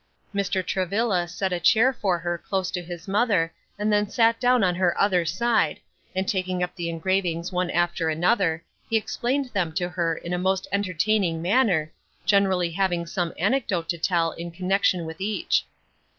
Mr. Travilla set a chair for her close to his mother and then sat down on her other side, and taking up the engravings one after another, he explained them to her in a most entertaining manner, generally having some anecdote to tell in connection with each.